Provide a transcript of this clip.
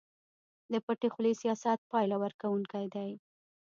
د پټې خولې سياست پايله ورکوونکی دی.